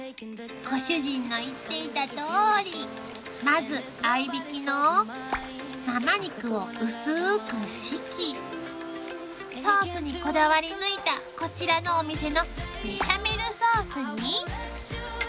［ご主人の言っていたとおりまず合いびきの生肉を薄く敷きソースにこだわり抜いたこちらのお店のベシャメルソースに］